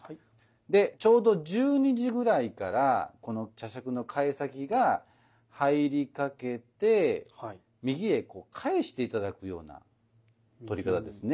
でちょうど十二時ぐらいからこの茶杓の櫂先が入りかけて右へこう返して頂くような取り方ですね。